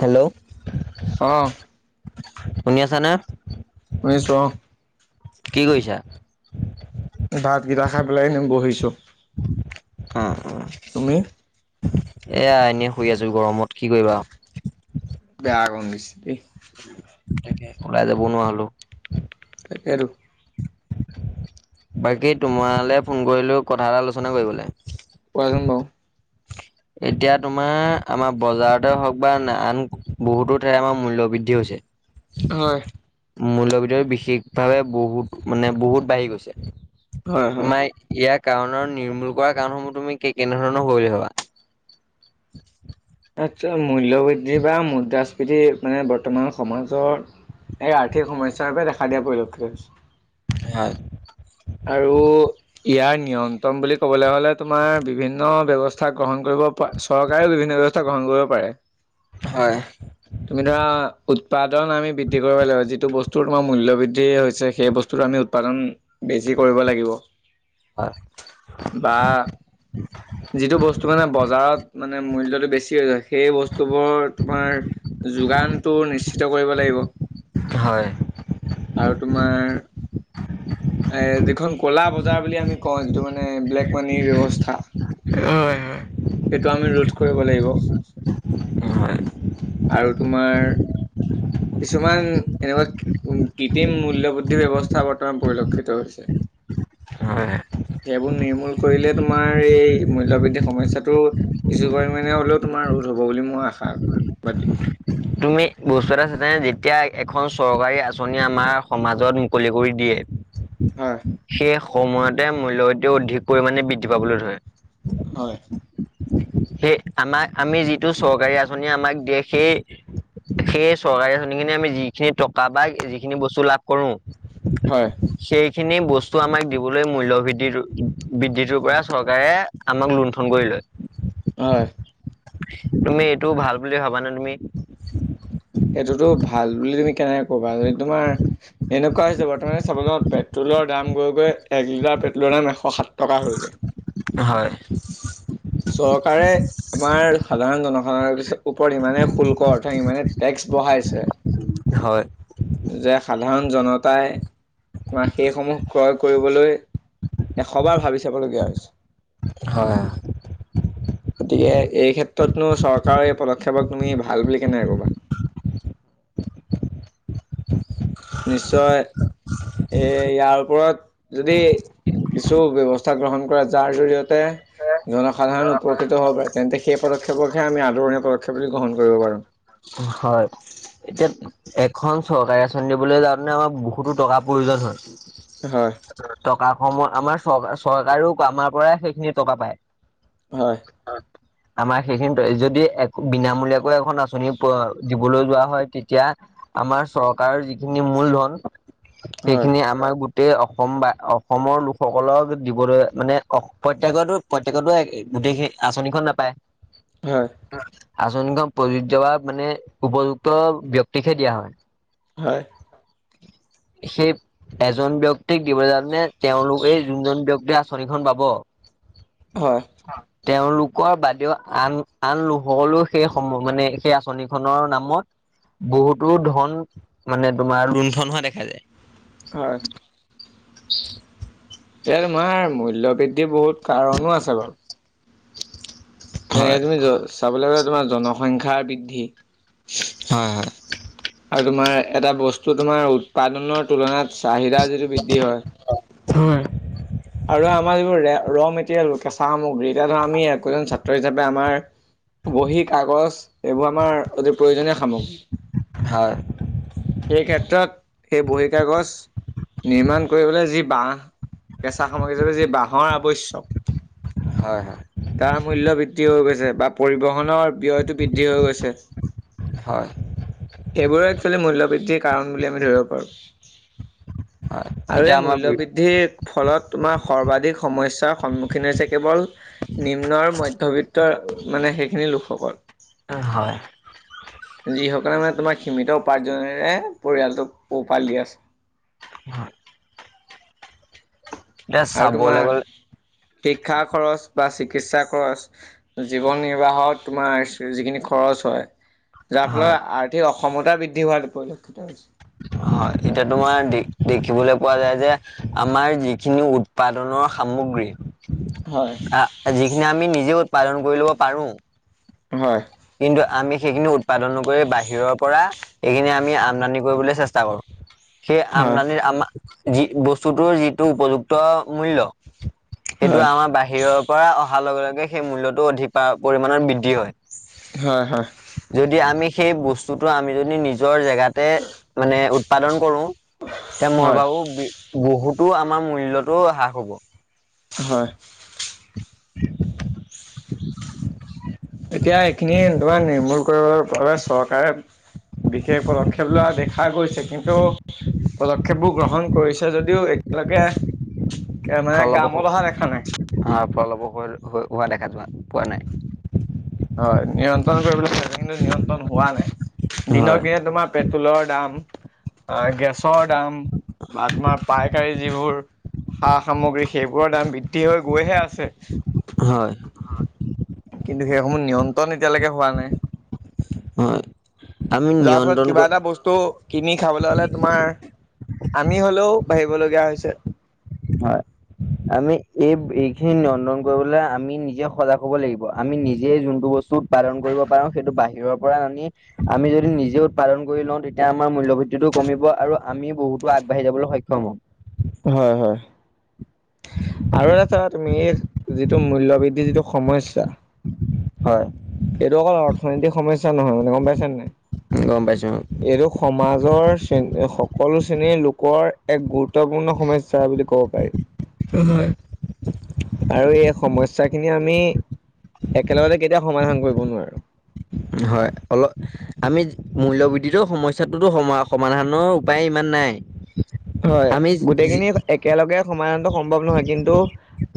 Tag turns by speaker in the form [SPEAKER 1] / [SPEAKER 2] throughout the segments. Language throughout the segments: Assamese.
[SPEAKER 1] হেল্ল'
[SPEAKER 2] অ
[SPEAKER 1] শুনি আছানে?
[SPEAKER 2] শুনিছোঁ অ'।
[SPEAKER 1] কি কৰিছা?
[SPEAKER 2] ভাত কেইটা খাই পেলাই বহিছো
[SPEAKER 1] অঁ অঁ
[SPEAKER 2] তুমি
[SPEAKER 1] এয়া এনেই শুই আছো গৰমত কি কৰিবা
[SPEAKER 2] বেয়া কম গৈছে দেই
[SPEAKER 1] তাকে ওলাই যাব নোৱাৰ হলো
[SPEAKER 2] আৰু
[SPEAKER 1] বাকী তোমালৈ ফোন কৰিলো কথা এটা আলোচনা কৰিবলৈ
[SPEAKER 2] পোৱাচ বও
[SPEAKER 1] এতিয়া তোমাৰ আমাৰ বজাৰতে হওক বা আন বহুতো ঠাই আমাৰ মূল্যয় বৃদ্ধি হৈছে
[SPEAKER 2] হয়
[SPEAKER 1] মূল্যবিধ বিশেষভাৱে বহুত মানে বহুত বাঢ়ি গৈছে
[SPEAKER 2] হয় হয়
[SPEAKER 1] তোমাৰ ইয়াৰ কাৰণৰ নিৰ্মূল কৰা কাৰণসমূহ তুমি কে কেনেধৰণৰ হল হবা
[SPEAKER 2] মূল্যবৃদ্ধি বা মুদ্ৰাস্ফীতি মানে বৰ্তমানৰ সমাজৰ এই আৰ্থিক সমস্যাৰ বাবে দেখা দিয়া পৰিলক্ষিত হৈছে
[SPEAKER 1] হয়
[SPEAKER 2] আৰু ইয়াৰ নিয়ন্ত্ৰণ বুলি ক'বলৈ হ'লে তোমাৰ বিভিন্ন ব্যৱস্থা গ্ৰহণ কৰিব চৰকাৰেও বিভিন্ন ব্যৱস্থা গ্ৰহণ কৰিব পাৰে
[SPEAKER 1] হয়
[SPEAKER 2] তুমি ধৰা উৎপাদন আমি বৃদ্ধি কৰিব লাগিব যিটো বস্তু তোমাৰ মূল্য বৃদ্ধি হৈছে সেই বস্তু আমি উৎপাদন বেছি কৰিব লাগিব বা যিটো বস্তু মানে বজাৰত মানে মূল্যটো বেছি হৈ যায় সেই বস্তুবোৰ তোমাৰ যোগানটো নিশ্চিত কৰিব লাগিব
[SPEAKER 1] হয়
[SPEAKER 2] আৰু তোমাৰ এ যিখন কলা বজাৰ বুলি আমি ক যিটো মানে ব্লেক পানীৰ ব্যৱস্থা
[SPEAKER 1] হয় হয়
[SPEAKER 2] সেইটো আমি ৰোধ কৰিব লাগিব
[SPEAKER 1] হয়।
[SPEAKER 2] আৰু তোমাৰ কিছুমান এনেকুৱা কৃত্ৰিম মূল্যবৃদ্ধি ব্যৱস্থা বৰ্তমান পৰিলক্ষিত হৈছে
[SPEAKER 1] হয়
[SPEAKER 2] সেইবোৰ নিৰ্মূল কৰিলে তোমাৰ এই মূল্য বৃদ্ধিৰ সমস্যাটো কিছু পৰিমমানে হলেও তোমাৰ ৰোধ হ'ব বুলি মই আশাবাদী
[SPEAKER 1] তুমি বস্তু এটা চ যেতিয়া এখন চৰকাৰী আঁচনি আমাৰ সমাজত মুকলি কৰি দিয়ে
[SPEAKER 2] হয়
[SPEAKER 1] সেই সময়তে মূল্যবৃদ্ধি অধিক পৰিমাণে বৃদ্ধি পাবলৈ ধৰে
[SPEAKER 2] হয়
[SPEAKER 1] সেই আমাক আমি যিটো চৰকাৰী আঁচনি আমাক দিয়ে সেই সেই চৰকাৰী আচনিখিনি আমি যিখিনি টকা বা যিখিনি বস্তু লাভ কৰো
[SPEAKER 2] হয়
[SPEAKER 1] সেই খিনি বস্তু আমাক দিবলৈ মূল্য বৃদ্ধি বৃদ্ধিটোৰ পৰা চৰকাৰে আমাক লুণ্ঠন কৰি লয় [unintelligible]
[SPEAKER 2] হয়
[SPEAKER 1] তুমি এইটো ভাল বুলি ভাবানে তুমি
[SPEAKER 2] সেইটোতো ভাল বুলি তুমি কেনেক ক'বা যদি তোমাৰ এনেকুৱা হৈছে বৰ্তমানে চাব যা পেট্ৰলৰ দাম গৈ গৈ এক লিটাৰ পেট্ৰলৰ দাম এশ সাত টকা হৈ যায়
[SPEAKER 1] হয়
[SPEAKER 2] চৰকাৰে আমাৰ সাধাৰণ জনসাধাৰণৰ পিছত ওপৰত ইমানে শুল্ক অৰ্থাৎ ইমানে টেক্স বঢ়াইছে
[SPEAKER 1] হয়
[SPEAKER 2] যে সাধাৰণ জনতাই বা সেইসমূহ ক্ৰয় কৰিবলৈ এশবাৰ ভাবি চাবলগীয়া হৈছে।
[SPEAKER 1] হয় [inaudible]
[SPEAKER 2] গতিকে এই ক্ষেত্ৰতনো চৰকাৰৰ এই পদক্ষেপক তুমি ভাল বুলি কেনেকে ক'বা
[SPEAKER 1] [inaudible]
[SPEAKER 2] নিশ্চয় এ ইয়াৰ ওপৰত যদি কিছু ব্যৱস্থা গ্ৰহণ কৰা যাৰ জৰিয়তে তে জনসাধাৰণ উপকৃত হ'ব পাৰে তেন্তে সেই পদক্ষেপকহে আমি আদৰণি সুৰক্ষা বুলি গ্ৰহণ কৰিব পাৰো।
[SPEAKER 1] হয়, এতিয়া এখন চৰকাৰী আঁচনি দিবলৈ যাওঁতে আমাৰ বহুতো টকা প্ৰয়োজন হয় হয়
[SPEAKER 2] হয়
[SPEAKER 1] টকা সমূহ আমাৰ চৰ চৰকাৰেও আমাৰ পৰাই সেইখিনি টকা পায়
[SPEAKER 2] হয়
[SPEAKER 1] আমাৰ সেইখিনি যদি বিনামূলীয়াকৈ এখন আচনি দিবলৈ যোৱা হয় তেতিয়া আমাৰ চৰকাৰৰ যিখিনি মূলধন,
[SPEAKER 2] হয়,
[SPEAKER 1] সেইখিনি আমাৰ গো তে অসম বা অসমৰ লোকসকলক দিবলৈ মানে প্ৰত্যকৰটো প্ৰত্যকৰটো একে গোটেই সেই আঁচনিখন নাপায়।
[SPEAKER 2] হয়,
[SPEAKER 1] আঁচনিখন প্ৰযোজ্য বা মানে, উপযুক্ত ব্যক্তিকহে দিয়া হয়।
[SPEAKER 2] হয়।
[SPEAKER 1] সেই এজন ব্যক্তিক দিবলৈ জাওতে তেওঁলোক এই যোনজন ব্যক্তি আঁচনিখন পাব
[SPEAKER 2] হয়,
[SPEAKER 1] তেওঁলোক লোকৰ বাদেও আন আন লোকসলেও সেই সম মানে সেই আঁচনিখনৰ নামত বহুতো ধন মানে তোমাৰ লুণ্ঠন হোৱা দেখা যায়।
[SPEAKER 2] হয়।
[SPEAKER 1] [unintelligible]
[SPEAKER 2] এ তোমাৰ মূল্য বৃদ্ধিৰ বহুত কাৰণো আছে বাৰু। তেনেকে
[SPEAKER 1] হয়
[SPEAKER 2] তুমি চাবলৈ গ'লে, তোমাৰ জনসংখ্যাৰ বৃদ্ধি।
[SPEAKER 1] হয় হয়।
[SPEAKER 2] আৰু তোমাৰ এটা বস্তু, তোমাৰ উৎপাদনৰ তুলনাত চাহিদা যিটো বৃদ্ধি হয়। আৰু আমাৰ যিবোৰ ৰ'মেটেৰিয়াল কেঁচা সামগ্ৰী। এতিয়া ধৰা আমি একোজন ছাত্ৰ হিচাপে আমাৰ বহী, কাগজ এইবোৰ আমাৰ অতি প্ৰয়োজনীয় সামগ্ৰী।
[SPEAKER 1] হয়।
[SPEAKER 2] সেই ক্ষেত্ৰত সেই বহী কাগজ নিৰ্মাণ কৰিবলৈ যি বাঁহ, কেঁচা সামগ্ৰী হিচাপে যি বাঁহৰ আৱশ্যক।
[SPEAKER 1] হয় হয়
[SPEAKER 2] তাৰ মূল্য বৃদ্ধি হৈ গৈছে বা পৰিবহনৰ ব্যয়টো বৃদ্ধি হৈ গৈছে।
[SPEAKER 1] হয়
[SPEAKER 2] সেইবোৰেই এক্সুৱেলি মূল্য বৃদ্ধিৰ কাৰণ বুলি আমি ধৰিব পাৰোঁ।
[SPEAKER 1] [unintelligible]
[SPEAKER 2] আৰু
[SPEAKER 1] এতিয়া
[SPEAKER 2] এই
[SPEAKER 1] আমাৰ
[SPEAKER 2] মূল্য বৃদ্ধিৰ ফলত তোমাৰ সৰ্বাধিক সমস্যাৰ সন্মুখীন হৈছে, কেৱল নিম্ন আৰু মধ্যবিত্ত মানে সেইখিনি লোকসকল।
[SPEAKER 1] হয়।
[SPEAKER 2] যিসকলে মানে তোমাৰ সীমিত উপাৰ্জনেৰে, পৰিয়ালটোক পোহপাল দি আছে।
[SPEAKER 1] হয়।
[SPEAKER 2] আৰু
[SPEAKER 1] চাবলৈ
[SPEAKER 2] তোমাৰ
[SPEAKER 1] গ'লে
[SPEAKER 2] শিক্ষাৰ খৰচ। বা চিকিৎসা খৰচ, জীৱন নিৰ্বাহত তোমাৰ যিখিনি খৰচ হয়। যাৰ
[SPEAKER 1] হয়
[SPEAKER 2] ফলত আৰ্থিক অসমতা বৃদ্ধি হোৱাৰ পৰিলক্ষিত হৈছে।
[SPEAKER 1] [unintelligible] হয়, এতিয়া তোমাৰ দে দেখিবলৈ পোৱা যায় যে, আমাৰ যিখিনি উৎপাদনৰ সামগ্ৰী।
[SPEAKER 2] হয়
[SPEAKER 1] আহ, যিখিনি আমি নিজে উৎপাদন কৰি ল'ব পাৰোঁ।
[SPEAKER 2] হয়।
[SPEAKER 1] কিন্তু আমি সেইখিনি উৎপাদন নকৰি, বাহিৰৰ পৰা এইখিনি আমি আমদানি কৰিবলৈ চেষ্টা কৰোঁ। সেই
[SPEAKER 2] হয়
[SPEAKER 1] আমদানিৰ আমাৰ, যি বস্তুটোৰ যিটো উপযুক্ত মূল্য। সেইটো
[SPEAKER 2] হয়
[SPEAKER 1] আমাৰ বাহিৰৰ পৰা অহাৰ লগে লগে সেই মূল্যটো অধিক পা-পৰিমণৰ বৃদ্ধি হয়।
[SPEAKER 2] হয় হয়।
[SPEAKER 1] যদি আমি সেই বস্তুতটো আমি যদি নিজৰ জেগাতে মানে, উৎপাদন কৰোঁ। এতিয়া মই
[SPEAKER 2] হয় হয়
[SPEAKER 1] ভাবোঁ, বহুতো আমাৰ মূল্যতো হ্ৰাস হ'ব।
[SPEAKER 2] হয়।
[SPEAKER 1] [unintelligible]
[SPEAKER 2] এতিয়া এইখিনি নিৰ্মূল কৰিবৰ বাবে চৰকাৰে বিশেষ পদক্ষেপ লোৱা। দেখা গৈছে কিন্তু, পদক্ষেপবোৰ গ্ৰহণ কৰিছে যদিও একেলগে
[SPEAKER 1] ফলবহু অহ, ফলবহু হোৱা দেখা যোৱা পোৱা নাই।
[SPEAKER 2] হয় নিয়ন্ত্ৰণ কৰিবলৈ [unintelligible] কিন্তু নিয়ন্ত্ৰণ হোৱা নাই।
[SPEAKER 1] হয়
[SPEAKER 2] দিনক দিনে তোমাৰ পেট্ৰ'ল দাম আহ গেছৰ দাম বা তোমাৰ পাইকাৰী যিবোৰ। সা সামগ্ৰী সেইবোৰৰ দাম বৃদ্ধি। হৈ গৈহে আছে,
[SPEAKER 1] হয়
[SPEAKER 2] কিন্তু সেইসমূহ নিয়ন্ত্ৰণ এতিয়ালৈকে হোৱা নাই।
[SPEAKER 1] হয়। আমি
[SPEAKER 2] যাৰ ফলত
[SPEAKER 1] নিয়ন্ত্ৰণ
[SPEAKER 2] কিবা
[SPEAKER 1] কৰি
[SPEAKER 2] এটা বস্তু কিনি খাবলৈ হ'লে তোমাৰ আমি হ'লেও বাঢ়িবলগীয়া হৈছে।
[SPEAKER 1] হয়। আমি এই এইখিনি নিয়ন্ত্ৰণ কৰিবলৈ আমি নিজে সজাগ হ'ব লাগিব। আমি নিজে যোনটো বস্তু উৎপাদন কৰিব পাৰোঁ সেইটো বাহিৰৰ পৰা নানি, আমি যদি নিজে উৎপাদন কৰি লওঁ। তেতিয়া আমাৰ মূল্যবৃদ্ধিতটো কমিব, আৰু আমি বহুতো আগবাঢ়ি যাবলৈ সক্ষম হ'ম।
[SPEAKER 2] হয়, হয়, আৰু এটা তুমি। এইটো মূল্যবৃদ্ধি যিটো সমস্যা।
[SPEAKER 1] হয়।
[SPEAKER 2] এইটো অকল অৰ্থনৈতিক সমস্যা নহয়, মানে গ'ম পাইছেনে নাই।
[SPEAKER 1] গম পাইছো
[SPEAKER 2] এইটো সমাজৰ শ্ৰেণী সকলো শ্ৰেণীৰ লোকৰ এক গুৰুত্ব। গুৰুত্বপূৰ্ণ সমস্যা বুলি ক'ব পাৰি। আৰু এই সমস্যা খিনি আমি একেলগতে কেতিয়াও সমাধান কৰিব নোৱাৰো।
[SPEAKER 1] হয়, অলপ আমি মূল্যবৃদ্ধিতো সমস্যাটোতো সম সমাধানৰ উপায় ইমান নাই।
[SPEAKER 2] হয়
[SPEAKER 1] আমি যি
[SPEAKER 2] গোটেইখিনি একেলগে সমাধান সম্ভৱ নহয়, কিন্তু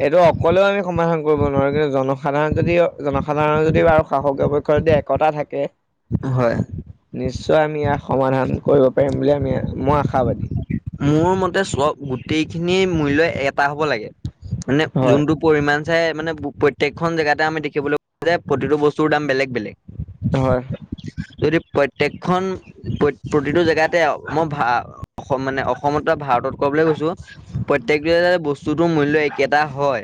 [SPEAKER 2] এইটো অকলেও আমি সমাধান কৰিব নোৱাৰো কিন্তু জনসাধাৰণ যদি জনসাধাৰণৰ যদি ব আৰু শাসকীয় পক্ষ যদি একটা থাকে।
[SPEAKER 1] হয়
[SPEAKER 2] নিশ্চয় আমি ইয়াক সমাধান কৰিব পাৰিম বুলি আমি, মই আশাবাদী।
[SPEAKER 1] মোৰ মতে চ'ব গোটেইখিনি মূল্যয় এটা হ'ব লাগে। মানে
[SPEAKER 2] হয়,
[SPEAKER 1] যোনটো পৰিমাণ মানে প্ৰত্যেকখন জেগাতে আমি দেখিবলৈ পাওঁ যে প্ৰতিটো বস্তুৰ দাম বেলেগ বেলেগ।
[SPEAKER 2] হয়।
[SPEAKER 1] যদি প্ৰত্যেকখন প্ৰতিটো জেগাতে মই ভা অসম মানে অসমত বা ভাৰতত ক'বলৈ কৈছো প্ৰত্যয়েকটোতে বস্তুটোৰ মূল্য একেটা হয়।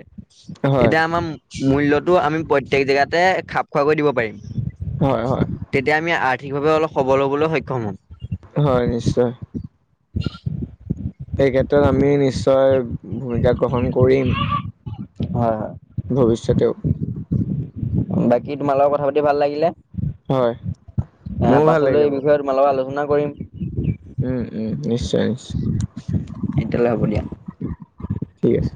[SPEAKER 2] হয়,
[SPEAKER 1] তেতিয়া আমাৰ মূল্যয়টো আমি প্ৰত্যয়েক জেগাতে খাপ খোৱাকৈ দিব পাৰিম।
[SPEAKER 2] হয়, হয়,
[SPEAKER 1] তেতিয়া আমি আৰ্থিকভাৱে অলপ সবল হ'বলৈ সক্ষম হ'ম।
[SPEAKER 2] হয়, নিশ্চয়।
[SPEAKER 1] [unintelligible]
[SPEAKER 2] এই ক্ষেত্ৰত আমি নিশ্চয় ভূমিকা গ্ৰহণ কৰিম।
[SPEAKER 1] হয়, হয়।
[SPEAKER 2] ভৱিষ্যতেও।
[SPEAKER 1] বাকী তোমাৰ লগত কথা পাতি ভাল লাগিলে।
[SPEAKER 2] হয়,
[SPEAKER 1] আ,
[SPEAKER 2] মোৰো ভাল
[SPEAKER 1] পাছলৈ
[SPEAKER 2] লাগিলে
[SPEAKER 1] এই
[SPEAKER 2] বাৰু
[SPEAKER 1] বিষয়ে তোমাৰ লগত আলোচনা, কৰিম
[SPEAKER 2] উম, উম, নিশ্চয়, নিশ্চয়।
[SPEAKER 1] তেতিয়া হ'লে হ'ব দিয়া।
[SPEAKER 2] ঠিক আছে।